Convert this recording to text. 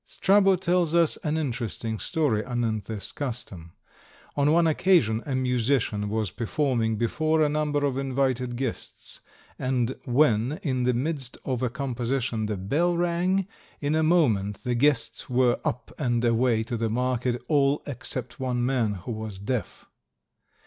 Strabo tells us an interesting story anent this custom. On one occasion a musician was performing before a number of invited guests, and when, in the midst of a composition, the bell rang, in a moment the guests were up and away to the market, all except one man, who was deaf.